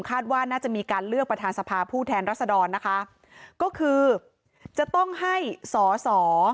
ว่าน่าจะมีการเลือกประธานสภาผู้แทนรัศดรนะคะก็คือจะต้องให้สอสอ